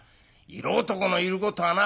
色男のいることはな